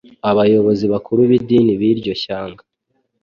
Abayobozi bakuru b’idini b’iryo shyanga